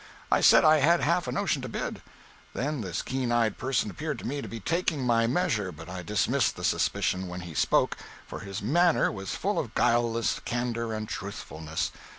I said I had half a notion to bid. Then this keen eyed person appeared to me to be "taking my measure"; but I dismissed the suspicion when he spoke, for his manner was full of guileless candor and truthfulness.